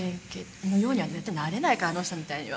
のようには絶対なれないからあの人みたいには。